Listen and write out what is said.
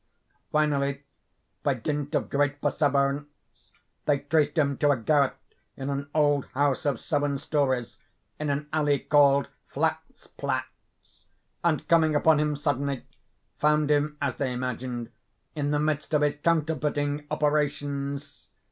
Finally, by dint of great perseverance, they traced him to a garret in an old house of seven stories, in an alley called Flatzplatz,—and, coming upon him suddenly, found him, as they imagined, in the midst of his counterfeiting operations.